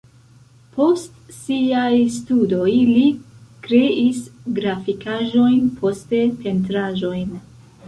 Post siaj studoj li kreis grafikaĵojn, poste pentraĵojn.